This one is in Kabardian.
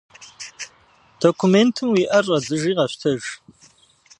Документым уи ӏэр щӏэдзыжи къэщтэж.